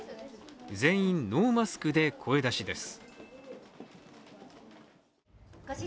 全員ノーマスクで声出しです。